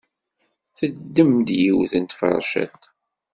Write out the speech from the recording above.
Teddem-d yiwet n tferciḍt.